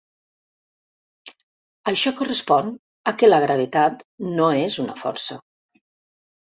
Això correspon a que la gravetat no és una força.